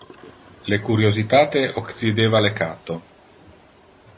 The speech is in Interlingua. Le curiositate occideva le catto.